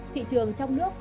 thị trường trong nước